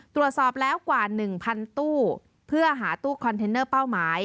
ตรวจสอบแล้วกว่า๑๐๐ตู้เพื่อหาตู้คอนเทนเนอร์เป้าหมาย